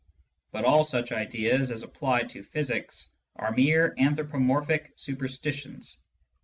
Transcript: But all such ideas, as applied to physics, are mere anthropomorphic superstitions.